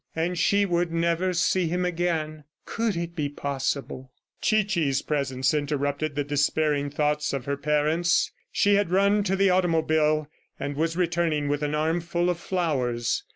And she would never see him again! ... Could it be possible! ... Chichi's presence interrupted the despairing thoughts of her parents. She had run to the automobile, and was returning with an armful of flowers.